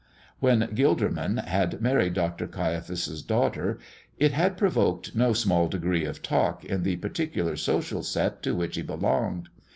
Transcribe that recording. When Gilderman had married Dr. Caiaphas's daughter it had provoked no small degree of talk in the particular social set to which he belonged.